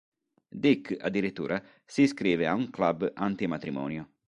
Dick, addirittura, si iscrive a un club anti-matrimonio.